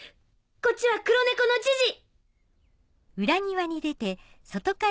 こっちは黒猫のジジ！